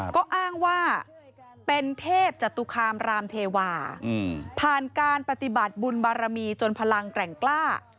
ก็อ้างว่าเป็นเทพจตุคามรามเทวาผ่านการปฏิบัติบุญบารมีจนพลังแกร่งกล้า